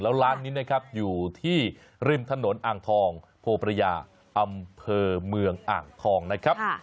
แล้วร้านนี้นะครับอยู่ที่ริมถนนอ่างทองโพประยาอำเภอเมืองอ่างทองนะครับ